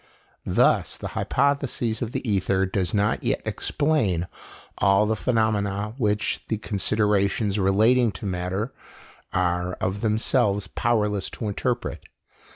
Thus, the hypothesis of the ether does not yet explain all the phenomena which the considerations relating to matter are of themselves powerless to interpret.